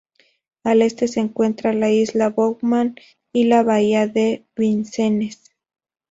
Al este se encuentra la isla Bowman y la bahía de Vincennes.